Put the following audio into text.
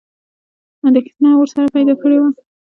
انېدښنه ورسره پیدا کړې وه.